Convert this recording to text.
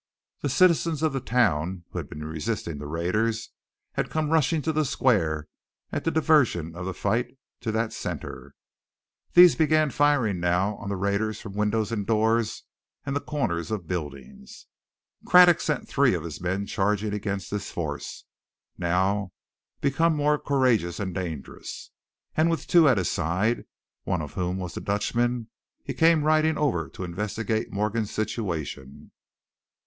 The citizens of the town who had been resisting the raiders, had come rushing to the square at the diversion of the fight to that center. These began firing now on the raiders from windows and doors and the corners of buildings. Craddock sent three of his men charging against this force, now become more courageous and dangerous, and with two at his side, one of whom was the Dutchman, he came riding over to investigate Morgan's situation.